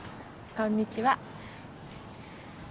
こんにちは。